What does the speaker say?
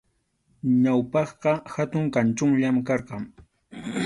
Ñawpaqqa hatun kanchunllam karqan.